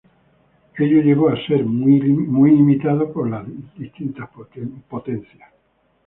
Ello llevó a ser altamente imitado por diferentes potencias.